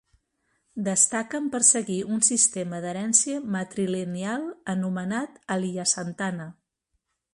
Destaquen per seguir un sistema d'herència matrilineal anomenat Aliyasantana.